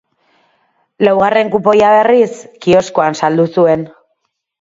Laugarren kupoia, berriz, kioskoan saldu zuen.